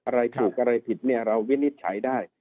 อะไรถูกอะไรผิดเราวินิจฉายได้